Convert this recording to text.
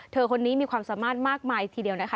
คนนี้มีความสามารถมากมายทีเดียวนะคะ